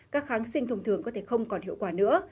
các kháng sinh thông thường có thể không còn hiệu quả nữa